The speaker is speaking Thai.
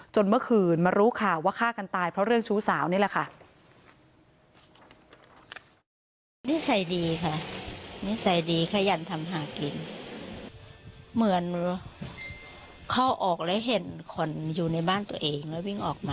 เมื่อคืนมารู้ข่าวว่าฆ่ากันตายเพราะเรื่องชู้สาวนี่แหละค่ะ